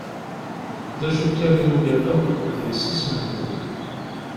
D acu kan i yugadeɣ, d yessi-s n medden.